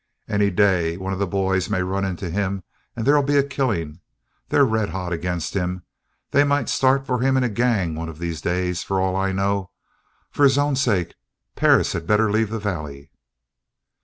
Any day one of the boys may run into him and there'll be a killing. They're red hot against him. They might start for him in a gang one of these days, for all I know. For his own sake, Perris had better leave the Valley."